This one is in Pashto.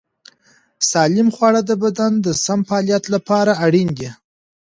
سالم خواړه د بدن د سم فعالیت لپاره اړین دي.